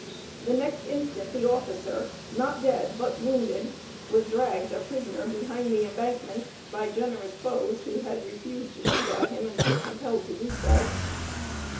The next instant the officer, not dead but wounded, was dragged a prisoner behind the embankment by generous foes who had refused to shoot at him until compelled to do so.